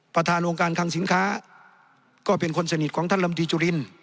ประธานองค์การคังสินค้าก็เป็นคนสนิทของท่านลำตีจุริน